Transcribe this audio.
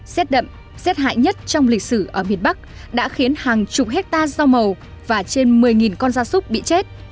xét đậm xét hại nhất trong lịch sử ở miền bắc đã khiến hàng chục hectare rau màu và trên một mươi con da súc bị chết